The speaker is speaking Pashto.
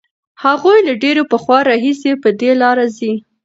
هغوی له ډېر پخوا راهیسې په دې لاره ځي.